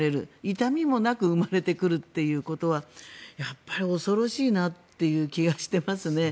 痛みもなく生まれてくるということは恐ろしいなという気がしていますね。